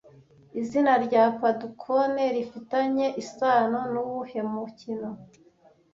Izina rya Padukone rifitanye isano nuwuhe mukino